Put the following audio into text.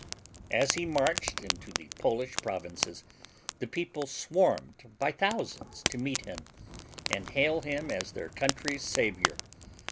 As he marched into the Polish provinces the people swarmed by thousands to meet him and hail him as their country's savior.